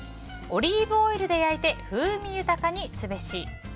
オリーブオイルで焼いて風味豊かにすべし。